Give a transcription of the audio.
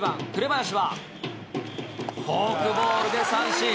ばやしはフォークボールで三振。